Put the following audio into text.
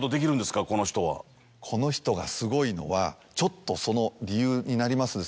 この人がすごいのはちょっとその理由になります